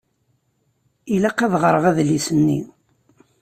Ilaq ad ɣṛeɣ adlis-nni.